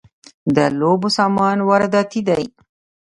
د لوبو سامان وارداتی دی؟